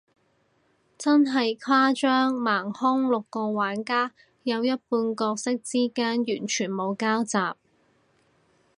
真係誇張，盲兇，六個玩家，有一半角色之間完全冇交集，